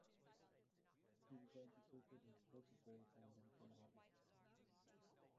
He was educated in his place of birth and in Granada.